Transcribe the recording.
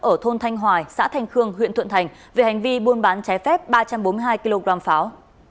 ở thôn thanh hoài xã thanh khương huyện thuận thành về hành vi buôn bán trái phép ba trăm bốn mươi hai kg pháo